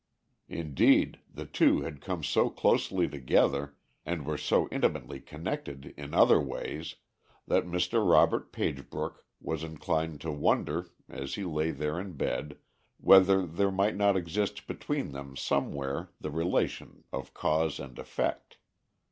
Indeed, the two had come so closely together, and were so intimately connected in other ways, that Mr. Robert Pagebrook was inclined to wonder, as he lay there in bed, whether there might not exist between them somewhere the relation of cause and effect.